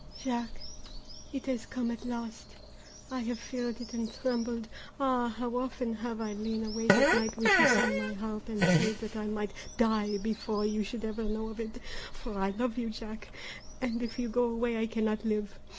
"Jack, it has come at last. I have feared it and trembled, ah! how often have I lain awake at night with this on my heart and prayed that I might die before you should ever know of it! For I love you, Jack, and if you go away I cannot live.